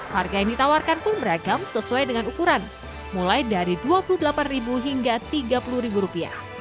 harga yang ditawarkan pun beragam sesuai dengan ukuran mulai dari rp dua puluh delapan hingga rp tiga puluh